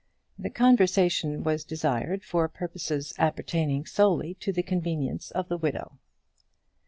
The conversation was desired for purposes appertaining solely to the convenience of the widow.